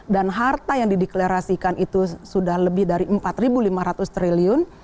dan harta yang dideklarasikan itu sudah lebih dari empat lima ratus triliun